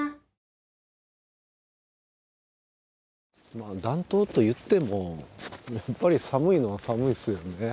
まあ暖冬といってもやっぱり寒いのは寒いっすよね。